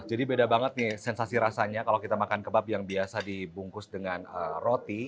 jadi beda banget nih sensasi rasanya kalau kita makan kebab yang biasa dibungkus dengan roti